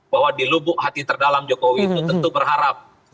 bahwa di lubuk hati terdalam jokowi itu tentu berharap